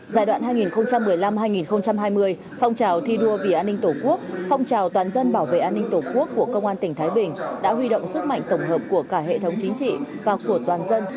giai đoạn hai nghìn một mươi năm hai nghìn hai mươi phong trào thi đua vì an ninh tổ quốc phong trào toàn dân bảo vệ an ninh tổ quốc của công an tỉnh thái bình đã huy động sức mạnh tổng hợp của cả hệ thống chính trị và của toàn dân